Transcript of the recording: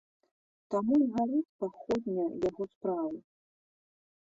Таму і гарыць паходня яго справы.